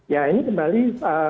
ya ini kembali